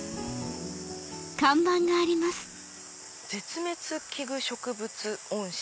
「絶滅危惧植物温室」。